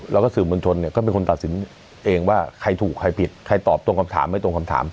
แล้วก็สื่อมวลชนเนี่ยก็เป็นคนตัดสินเองว่าใครถูกใครผิดใครตอบตรงคำถามไม่ตรงคำถาม